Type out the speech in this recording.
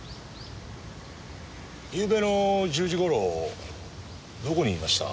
ゆうべの１０時頃どこにいました？